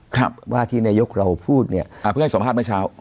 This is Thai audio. ครับว่าที่นายกเราพูดเนี่ยอ่าเพื่อให้สัมภาษณ์เมื่อเช้า